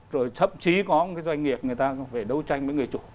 rồi thậm chí có một cái doanh nghiệp người ta phải đấu tranh với người chủ